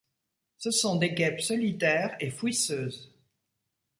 Ce sont des guêpes solitaires et fouisseuses.